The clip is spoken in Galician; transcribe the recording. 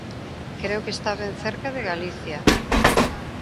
Creo que está ben cerca de Galicia.